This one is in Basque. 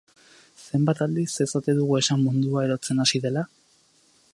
Zenbat aldiz ez ote dugu esan mundua erotzen hasi dela?